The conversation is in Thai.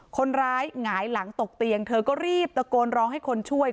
หงายหลังตกเตียงเธอก็รีบตะโกนร้องให้คนช่วย